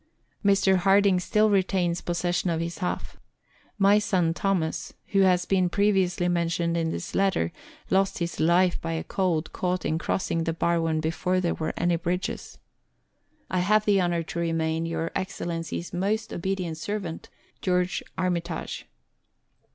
Mr. Harding still retains possession of his half. My son Thomas, who has been previously mentioned in this letter, lost his life by a cold caught in crossing the Barwon before there were any bridges. I have the honour to remain, Your Excellency's most obedient servant, GEO. ARMYTAGE.